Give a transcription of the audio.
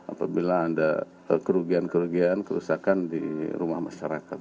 apabila ada kerugian kerugian kerusakan di rumah masyarakat